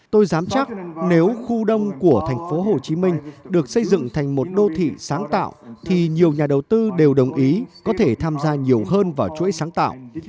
tôi dám chắc nếu khu đông của tp hcm được xây dựng thành một đô thị sáng tạo thì nhiều nhà đầu tư đều đồng ý có thể tham gia nhiều hơn vào chuỗi sáng tạo